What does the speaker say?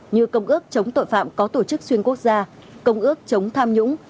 như công ước chống tội phạm có tổ chức xuyên quốc gia công ước chống tham nhũng